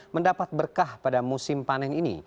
mendapat berkah pada musim panen ini